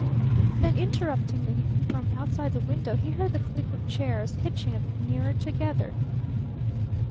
"H " Then interruptingly from outside the window he heard the click of chairs hitching a bit nearer together.